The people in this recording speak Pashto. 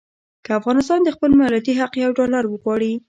که افغانستان د خپل مالیاتي حق یو ډالر وغواړي.